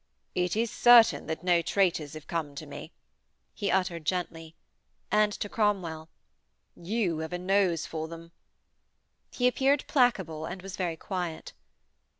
'It is certain that no traitors have come to me,' he uttered gently; and to Cromwell: 'You have a nose for them.' He appeared placable and was very quiet.